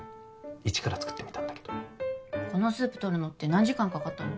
一から作ってみたんだけどこのスープとるのって何時間かかったの？